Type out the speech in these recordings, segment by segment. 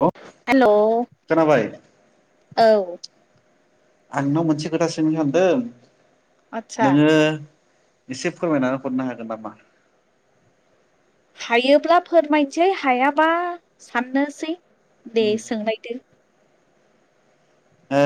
अ hello खोनाबाय औ आंनाव मोनसे खोथा सोंनो सानदों आदसा नोङो एसे फोरमायनानै हरनो हागोन नामा। हायोब्ला फोरमायसै हायाबा साननोसै दे ओ सोंनायदो ओ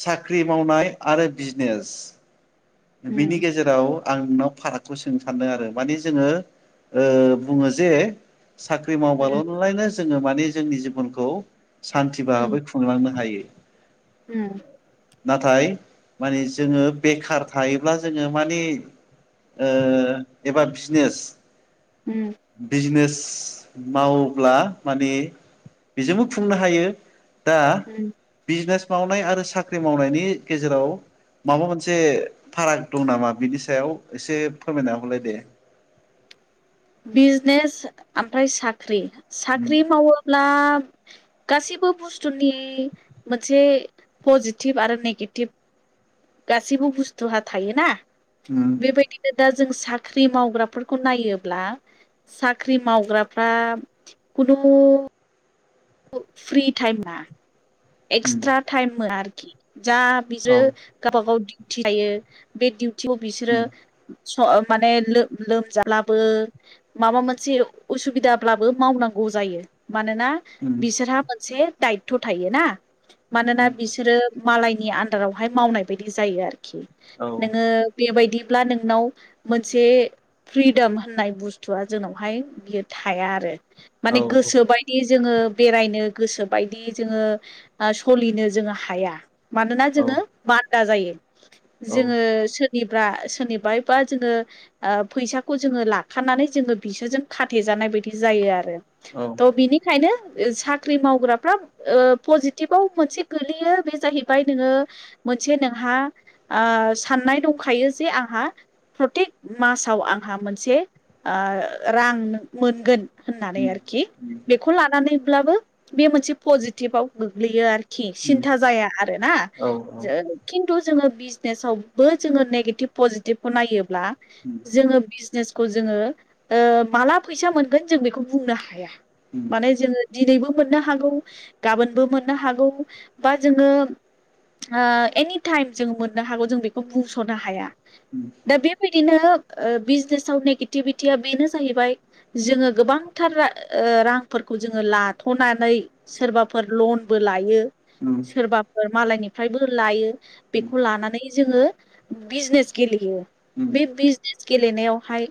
साख्रि मावनाय आरो बिजनेस बिनि उम गेजेराव आंनाव फारागखौ सोंनो सानदों आरो माने जोङो ओ बुङो जे साख्रि मावबाल नालायनो जोङो माने जोंनि जिबनखौ सान्थि उम भाबै खुंलांनो हायो। उम नाथाय माने जोङो बेखार थायोब्ला जोङो माने ओ एबा बिजनेस बिजनेस मावोब्ला माने बेजोंबो खुंनो हायो। दा उम बिजनेस मावनाय आरो साख्रि मावनायनि गेजेराव माबा मोनसे फाराग दं नामा बिनि सायाव एसे फोरमायना हरलाय दे। बिजनेस ओमफ्राय साख्रि उम साख्रि मावोब्ला गासैबो बुस्थुनि मोनसे पजिटिभ आरो नेगेटिभ गासैबो बुस्थुआ थायोना उम बेबायदिनो दा जों साख्रि मावग्राफोरखौ नायोब्ला साख्रि मावग्राफ्रा खुनुमु फ्रि टाइमा उम एक्सट्रा टाइम मोना आरोखि जा औ बिसोरो गावबा गाव दिउटि थायो बे डिउटियाव बिसोरो उम स माने लोमजालाबो माबा मोनसे उसुबिदाब्लाबो मावनांगौ जायो मानोना उम उम बिसोरहा मोनसे दायथ थायो ना मानोना बिसोरो मालायनि आन्दारावहाय मावनाय बायदि जायो आरोखि औ नोङो बेबायदि ब्ला नोंनाव मोनसे फ्रिदाम होननाय बुस्थुआ जोंनावहाय बियो थाया आरो। माने गोसोबायदि जोङो बेरायनो गोसोबायदि जोङो सोलिनो जोङो हाया मानोना औ जोङो बान्दा जायो। औ जोङो सो सोरनिब सोरनिबाबा जोङो फैसाखौ जोङो लाखानानै जोङो बिसोरजों खाथे जायो। नाय बादि जायो आरो औ थ बिनिखायनो साख्रि मावग्राफ्रा बिदिबाव मोनसे गोलैयो बे जाहैबाय नोङो मोनसे नोंहा साननाय दं। बुंखायो जे आंहा प्रतेक मासाव आंहा मोनसे ओ रां मोनगोन। होननानै उम आरोखि उम बेखौ लानानैब्लाबो बे मोनसे पजिटिभाव गोग्लैयो आरोखि। खि उम सिन्था जाया आरो ना औ ओ खि नथु बिजनेस‌आवबो जोंङो नेगेटिभ पजिटिभखौ नायोब्ला उम जोंङो बिजनेस खौ जोंङो माला फैसा मोनगोन जों बेखौ बुंनो हाया उम उम माने जोंङो दिनैबो मोननो हागौ गाबोनबो मोननो हागौ बा जोंङो ओ एनि टाइम जों मोननो हागौ जों बेखौ बुंसनो हाया। उम दा बेबायदिनो बिजनेसाव नेगेटिभिटिया बेनो जाहैबाय जोंङो गोबांथा र रांफोरखौ जोंङो लाथनानै सोरबाफोर लनबो लायो। उम सोरबाफोर मालायनिफ्रायबो लायो बेखौ लानानै जोंङो बिजनेस गेले यो। बे बिजनेस गेलेनायावहाय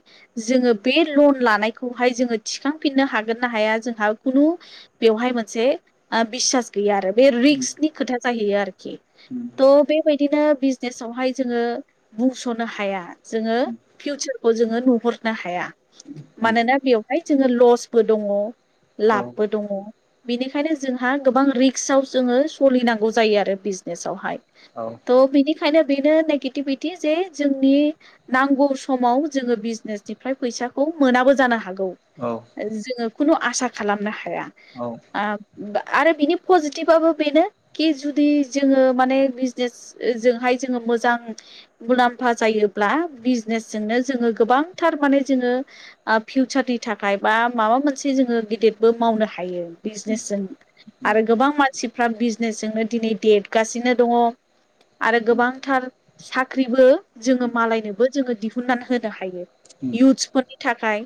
जोंङो बे लन लानायखौहाय जोंङो थिखांफिननो हा गोन ना हाया जोंहा खुनु बेवहाय मोनसे बिसास गैया आरो बे उम रिक्सनि खोथा जाहैयो आरोखि उम थह बेबायदिनो बिजनेसाव बेवहाय जोंङो बुंस'नो हाया जोंङो फिउचारखौ जोंङो नुहरनो हाया। उम मानोना बेवहाय जोंङो लसबो दंङ औ लाबबो दंङ बेनिखायनो जोंहा गोबां रिक्सआव जोंङो सोलिनांगौ जायो आरो बिजनेसावहाय औ त बिनिखायनो बेनो नेगेटिभिटि जे जोंनि नांगौ समाव जोंङो बिजनेसनिफ्राय फैसाखौ मोनाबो जानो हागौ औ जोंङो खुनु आसा खालामनो हाया औ उम आ आरो बिनि पजिटिभाबो बेनो कि जुदि जोंङो माने बिजनेस ओजों हाय जोंङो मोजां मुलाम्फा जायोब्ला बिजिनेसजोंनो जोंङो गोबां थार माने जोंङो माने फिवसारनि थाखायबा माबा मोनसे जोंङो गेदेदबो मावनो हायो बिज उम नेसजों आरो गोबां मानसिफ्रा बिजनेसजोंनो दिनै देरगासिनो दंङ आरो उम गोबांथार साख्रिबो जोंङो मालायनोबो जोंङो दिहुननानै होनो हायो। उम इउथ्सफोरनि थाखाय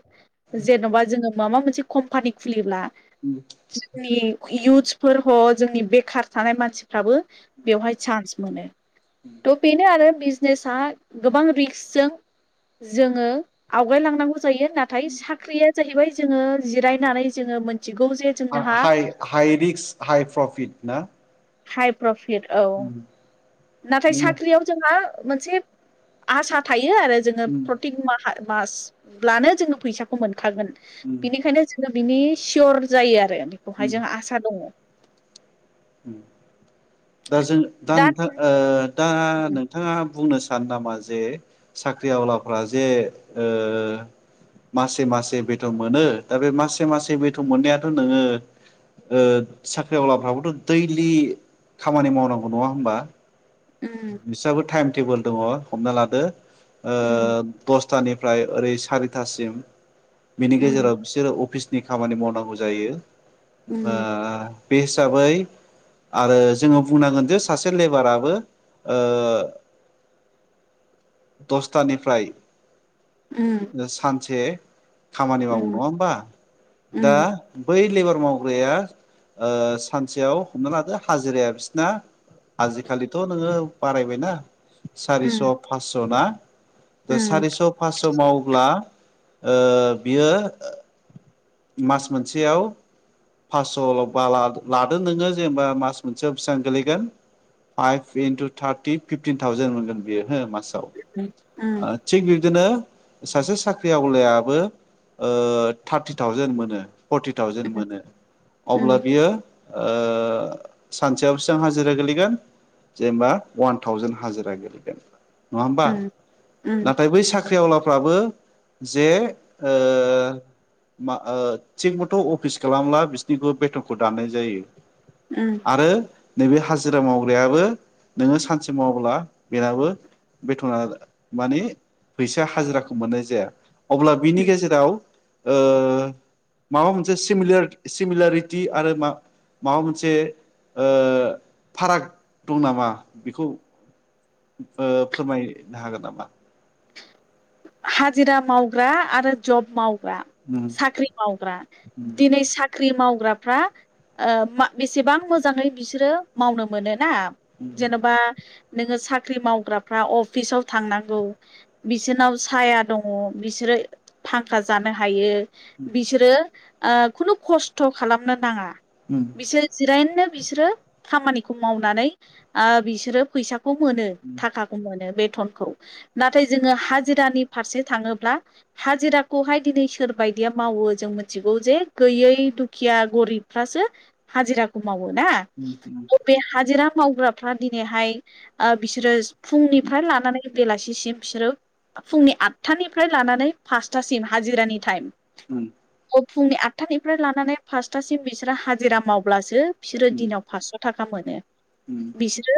जेन'बा जोंङो माबा मोनसे कमफानि खुलिब्ला अम जोंनि इयउथ्सफोर ह जोंनि बेकार थानाय मानसिफ्राबो बेवहाय सानस मोनो। थ' बेनो आरो बिजनेसा गोबां रिक्कजों जोंङो आवगायलांनांगौ जायो नाथाय साखरि आ जाहैबाय जोंङो जिरायनानै जोंङो मोनथिगौ जे जोंहा हाय-हाय रिकस हाय प्रफिदना हाय प्रफिट औ नाथाय नोङो साख्रियाव जोंहा मोनसे आसा थायो आरो जोंङो उम, प्रतिग माहा मासब्लानो जोंङो फैसाखौ मोनखागोन उम, बिनिखायनो जोंङो बिनि सियर जायो आ रो उम, बेखौहाय जोंङो आसा दंङ दा जों दा नोंथां दा उम नोंथाङा बुंनो सै सानो नामा जे साख्रि आवलाफ्रा जे ओ मासे मासे बेथन मोनो दा मासे मासे बेथन मोननाया थ नोंङो ओ साख्रि आवलाफ्राबोथ' दैलि खामानि मावनांगौ नंङा होमबा बिस्राबो टाइम टेबोल दङ' हमना लादो ओ उम दस थानिफ्राय ओरै सारिथासिम बिनि उम गेजेराव बिसोर अफिस नि खामानि मावनांगौ जायो ओ बे हिसाबै आरो जोंङो बुंनांगोन जे सासे लेबाराबो ओ दसथानिफ्राय सानसे खामानि मावो नङा होमबा दा बै लेबार मावग्राया ओ सानसेयाव हमना लादो हाजिराया बिसिना आजिखालिथ' नोंङो बारायबायना सारिस' फासस' ना दा सारिस' फासस' मावोब्ला ओ बियो मास मोनसेयाव फासस'ल' बाला लादो नोङो जेनेबा मास मोनसेयाव बेसेबां गोलैगोन? इनटु थार्टि फिफटिन थावजेन मोनगोन बियो हो मासाव, थिग बिबदिनो सासे साख्रि आवलायाबो थार्टि थावजेेन मोनो। फर्टि थावजेेन मोनो अब्ला बियो सानसेयाव बेसेसबां हाजिरा गोलैगोन? जेनेबा वान थावजेन हाजिरा गोलैगोन नङा होमबा? नाथाय बै साख्रियावला फ्राबो जे मा थिग मथ' अफिस खालामाब्ला बिसोरनिखौबो बेथनखौ दानाय जायो। आरो नैबे हाजिरा मावग्रायाबो - नोङो सानसे मावोब्ला बेनाबो बेथना माने फैसा हाजिराखौ मोननाय जाया। अब्ला बिनि गेजेराव ओ माबा मोनसे सिमिलार सिमिलारिटि आरो मा माबा मोनसे फाराग दं नामा बेखौ फोरमायनो हागोन नामा? हाजिरा मावग्रा आरो जब माव- ग्रा उम साख्रि मावग्रा उम दिनै सा- ख्रि मावग्राफ्रा बेसेबां मोजाङै बिसोरो मावनो मोनो? ना उम जेन'बा नोङो साख्रि मावग्राफ्रा अफिसाव थांनांगौ। बिसोरनाव साया दङ बिसोरो थाखा जानो हायो। बिसोरो खुनु खस्थ' खालामनो नाङा बिसोर जिरायनो। बिसोरो खामानिखौ मावनानै बिसोरो फैसा- खौ मोनो थाखाखौ मोनो बेथनखौ। नाथाय जोङो हाजिरानि फारसे थाङोब्ला हाजिराखौहाय दिनै सोरबायदिया मावो जों मिथिगौ जे गैयै दुखिया गरिबफ्रासो हाजिराखौ मा- वो ना उम बे हाजिरा मावग्राफ्रा दिनैहाय बिसोरो फुंनिफ्राय लानानै बेलासि- सिम बिसोरो फुंनि आठथानिफ्राय लानानै फासथासिम हाजिरानि टाइम उ अ फुंनि आटथानिफ्राय लानानै फासथासिम बिसोरो हाजिरा मावब्लासो बिसोरो दिनाव फास्स' थाखा। मोनो बिसोरो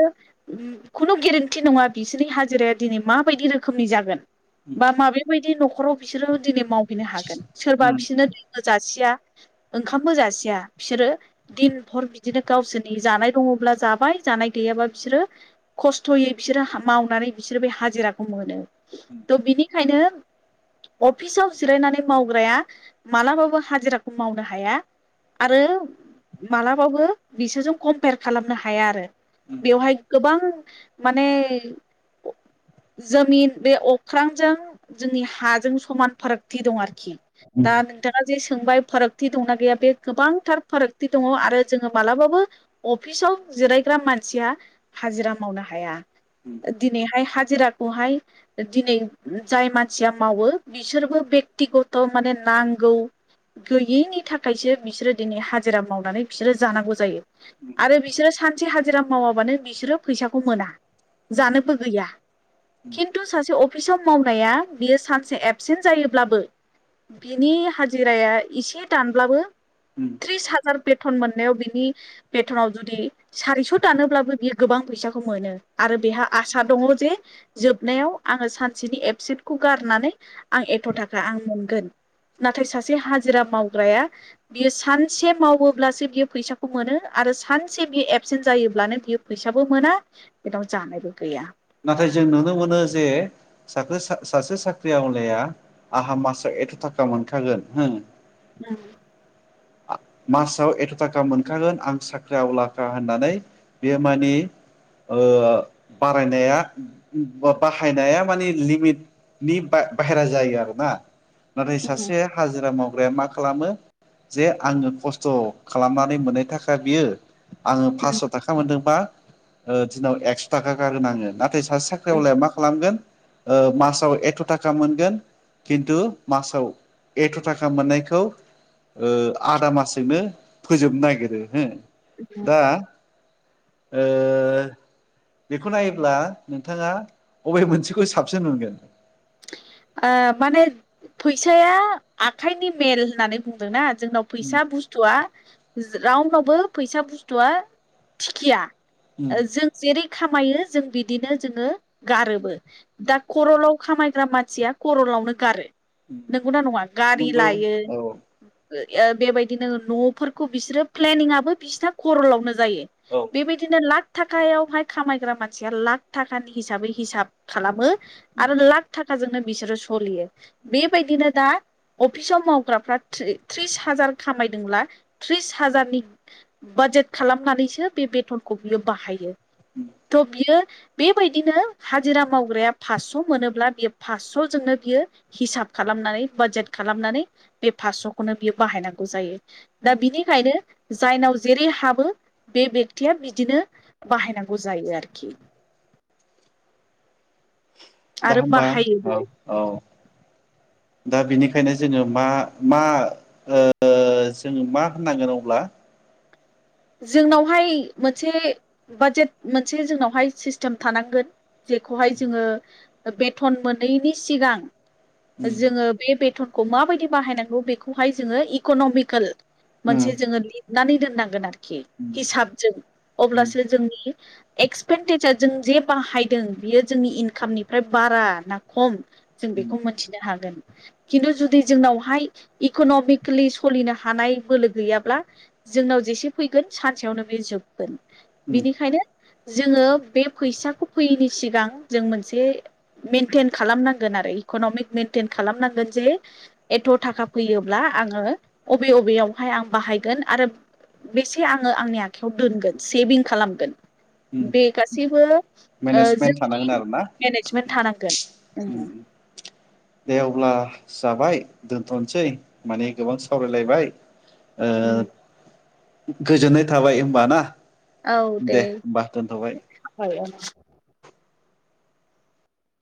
खुनु गेरेन्थि नङा बिसोरनि हाजिराया दिनै मा- बायदि रोखोमनि जागोन बा माबे बायदि न'खराव बिसोरो। दिनै मावहैनो हागोन सोरबा बिसोरनो दो जासिया [inaudible] ओंखामबो जासिया बिसोरो दिनफर बिदिनो गावसोरनि जानाय दङब्ला जाबाय जानाय गैयाब्ला बिसोरो खस्थ'यै बिसोरो मावनानै बिसोर बे हाजिरा मोनो थ' बिनिखायनो अफिसाव जिरायनानै मावग्राया मालाबाबो हाजिराखौ मावनो हाया। आरो मालाबाबो बिसोरजों कम्पयार खालामनो हाया आरो। बेवहाय गोबां माने जमिन बे अख्रांजों जोंनि हाजों समान फारागथि दं आरोखि। दा नोंथाङा जे सोंबाय फारागथि दंना गैया बे गोबांथार फारागथि दङ आरो जोङो मालाबाबो अफिसाव जिरायग्रा मानसिया हाजिरा मावनो हाया उम दिनैहाय हाजिरा बेहाय दिनै जाय मानसिया मावो बिसोरबो बेक्तिगत' माने नां- गौ गैयैनि थाखायसो बिसोरो दिनै हाजिरा मावनानै बिसोरो जानांगौ जायो, आरो बिसोरो सानसे हाजिरा मावाबानो बिसोरो फैसाखौ मोना, जानोबो गैया। उम खिन्थु सासे अफिसाव मावनाया बियो सानसे एबसेन्ट जायोब्लाबो। बिनि हाजिराया एसे दानब्लाबो उम त्रिस हाजार बे- थन मोननायाव बिनि बेथनाव जुदि सारिस' दानोब्लाबो बियो गोबां फैसाखौ मोनो आरो बेहा आसा दङ जे जोबनायाव आङो सानसेनि एपसिटखौ गारनानै आं एथ' थाखा आं मोनगोन नाथाय सासे हाजिरा मावग्राया बियो सानसे मावोब्लासो बियो फैसा खौ मोनो आरो सानसे बियो एबसेन्ट जायोब्लानो बियो फैसाबो मोना बेनाव जानायबो गैया नाथाय जों नुनो मोनो जे साखो सासे साख्रि आवलाया आंहा मास एथ' थाखा मोनखागोन हो औ मासाव एथ' थाखा मोनखागोन आं साख्रि आवलाफ्रा होननानै। बेयोमानि ओ बारायनाया बा बाहायनाया माने लिमिट नि बा-बाहेरा जायो आरोना नाथाय उम सासे हाजिरा मावग्राया मा खालामो? जे आङो खस्थ' खालामनानै मोननाय थाखा बियो आङो उम फासस' थाखा मोनदोंबा ओ दिनाव एकस' थाखा गारगोन आङो नाथाय सासे साख्रिआवलाया मा खालामगोन ओ मासाव एथ' थाखा मोनगोन। खिन्थु मासाव एथ' थाखा मोननायखौ। ओ आदा मासजोंनो फोजोबनो नागिरो हो उम दा ओ बेखौ नायोब्ला नोंथाङा अबे मोनसेखौ साबसिन मोनगोन ओ माने फैसाया आखाइनि मेल होननानै बुंदोंना। जोंनाव उम फैसा बुस्थुआ रावडावबो फैसा बुस्थुआ थिखिया उम ओ जों जेरै खामायो जों बिदिनो जोङो। गारोबो दा खरलाव खामायग्रा मानसिया खरलावनो गारो नोंगौना नङा गारि नंगौ लायो। औ [unintelligible] बेबायदिनो न'फोरखौ बिसोरो प्लेनिंआबो बिसिना खरलावनो। जायो औ बेबायदिनो लाख थाखायावहाय खामायग्रा मानसिया लाख थाखानि हिसाबै हिसाब खालामो आरो लाख था खाजोंनो बिसोरो सलियो बेबायदिनो दा। अफिसाव मावग्राफ्रा थ्रि-थ्रिस हाजार खामायदोंब्ला त्रिस हाजारनि बा जेट खालामनानैसो बे बेथनखौ बियो बाहायो थ' बियो बेबायदिनो हाजिरा मावग्राया फास स' मोनोब्ला बियो फास्स' जोंनो बियो हिसाब खालामनानै बाजेट खालामनानै बे फासस' खौनो बियो बाहायनांगौ जायो दा बिनिखायनो जायनाव जेरै हाबो बे बेक्तिया बिदिनो बाहायनांगौ जायो आरोखि दा आरो होमबा बाहायोबो औ औ। दा बिनिखायनो जोङो मा मा ओ जोङो मा होननांगोन अब्ला जोंनावहाय मोनसे बाजेट मोनसे जोंनावहाय सिस्टेम थानांगोन। जेखौहाय जोङो बेथन मोनैनि सिगां उम जोङो बे बेथनखौ माबायदि बाहायनांगौ बेखौहाय जोङो इक'नमिकेल। उम मोनसे जोङो लितनानै दोननांगोन आरो खि उम हिसाबजों उम अब्लासो जोंनि एक्सपेन्डेसार जों जे बाहायदों बियो जोंनि इनकामनिफ्राय बारा ना खम जों उम बेखौ मोनथिनो हागोन खिन्थु जुदि जोंनावहाय इक'न'मिकेलि सोलिनो हानाय बोलो गैयाब्ला जोंनाव जेसे फैगोन सानसेयावनो बे जोबगोन उम बेनिखायनो जोङो बे फैसाखौ फैयिनि सिगां जों मोनसे मेनटेन खालामनांगोन आरो इ कनमिक मेन्टेन खालामनांगोन जे एथ' थाखा फैयोब्ला आङो अबे अबेयाव हाय आं बाहायगोन आरो बेसे आङो आंनि आखायाव दोनगोन सेभिं खालामगोन उम बे गासैबो ओ मेनेजमेन्ट जोंनि थानांगोन आरोना मेनेजमेन्ट थानांगोन उम उम दे अब्ला जाबाय दोनथ'नोसै माने गोबां सावरायलायबाय ओ उम गोजोननाय थाबाय होमबा ना औ दे होमबा दोनथ'बाय [inaudible]